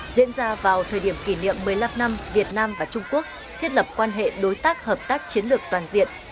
diễn ra vào thời điểm kỷ niệm một mươi năm năm việt nam và trung quốc thiết lập quan hệ đối tác hợp tác chiến lược toàn diện